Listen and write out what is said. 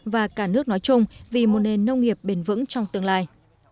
và cả nước nói chung vì một nền nông nghiệp bền vững trong tương lai